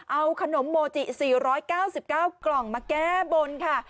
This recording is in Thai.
เอาขนมโมจิ๔๙๙กล่องมาแก้บนค่ะ